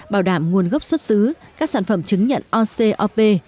bảo đảm nguồn gốc xuất xứ các sản phẩm chứng nhận ocop